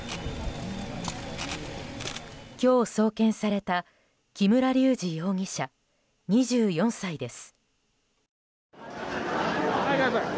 今日送検された木村隆二容疑者、２４歳です。